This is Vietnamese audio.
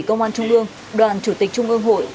công an trung ương đoàn chủ tịch trung ương hội